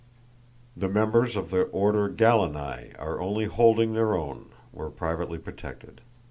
The members of the Order Gallinae are only holding their own where privately protected.